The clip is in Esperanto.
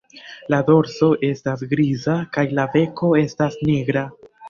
La dorso estas griza kaj la beko estas nigra.